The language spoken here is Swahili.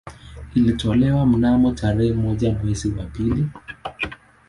Ilitolewa mnamo tarehe moja mwezi wa pili